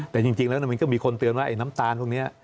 แต่จริงแล้วมันก็มีคนเตือนว่าไอ้น้ำตาลพวกนี้